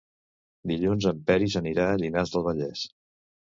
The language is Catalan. Dilluns en Peris anirà a Llinars del Vallès.